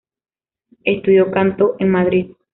Estudió canto en Madrid.